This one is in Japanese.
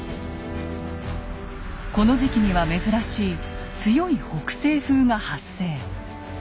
この時期には珍しい強い北西風が発生。